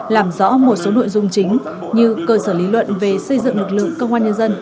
làm rõ một số nội dung chính như cơ sở lý luận về xây dựng lực lượng công an nhân dân